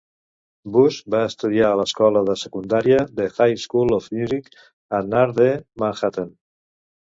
Busch va estudiar a l'escola de secundària The High School of Music and Art de Manhattan.